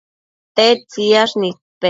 tedtsiyash nidpec